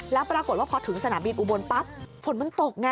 แล้วปรากฏว่าพอถึงสนามบินอุบลปั๊บฝนมันตกไง